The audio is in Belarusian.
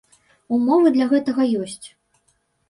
Умовы для гэтага ёсць.